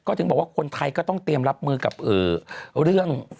ถึงบอกว่าคนไทยก็ต้องเตรียมรับมือกับเรื่อง